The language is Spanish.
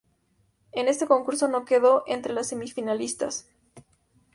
En este concurso no quedó entre las semifinalistas.